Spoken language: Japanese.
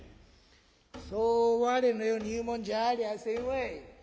「そうわれのように言うもんじゃありゃあせんわい。